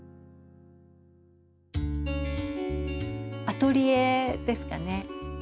アトリエですかね。